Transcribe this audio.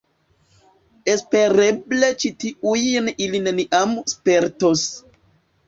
Espereble ĉi tiujn ili neniam spertos.